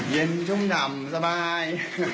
เย็นชุ่มดำสบาย